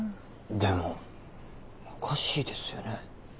でもおかしいですよね